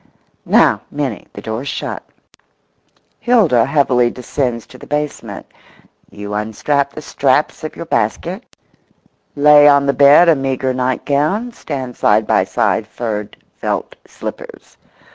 Now, Minnie, the door's shut; Hilda heavily descends to the basement; you unstrap the straps of your basket, lay on the bed a meagre nightgown, stand side by side furred felt slippers.